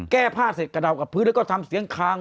แก้ผ้าเสร็จกระดาษกับพื้นแล้วก็ทำเสียงคาง